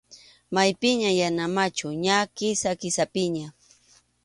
Maypiñam yana machu, ña Kisa-Kisapiña.